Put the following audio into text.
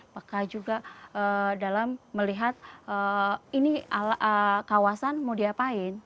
apakah juga dalam melihat ini kawasan mau diapain